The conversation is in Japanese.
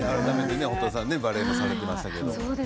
堀田さん、バレエもされていましたけど。